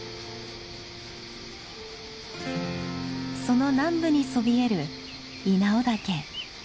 その南部にそびえる稲尾岳。